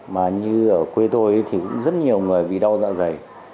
mà như ở quê tôi thì cũng rất nhiều người bị đau dạ dày